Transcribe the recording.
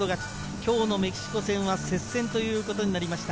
今日のメキシコ戦は接戦ということになりました。